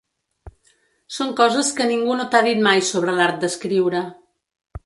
Són coses que ningú no t’ha dit mai sobre l’art d’escriure.